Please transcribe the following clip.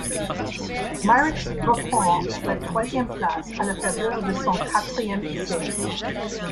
Myricks reprend la troisième place à la faveur de son quatrième essai.